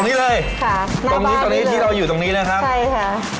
ตรงนี้เลยสิที่เราอยู่ตรงนี้นะครับหลับใช่ค่ะ